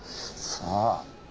さあ。